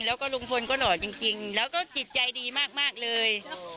แล้วก็ลุงพลก็หล่อจริงแล้วก็จิตใจดีมากเลย